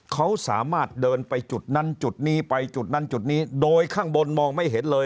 เขาสามารถเดินไปจุดนั้นจุดนี้ไปจุดนั้นจุดนี้โดยข้างบนมองไม่เห็นเลย